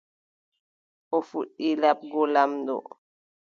O fuɗɗi laɓgo laamɗo.